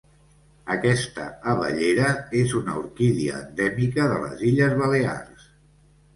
Aquesta abellera és una orquídia endèmica de les Illes Balears.